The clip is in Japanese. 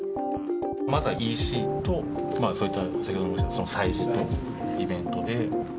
まずはＥＣと、そういった、先ほどおっしゃった催事とイベントで。